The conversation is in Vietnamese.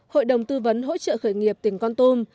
hội đồng tư vấn hỗ trợ khởi nghiệp tỉnh con tum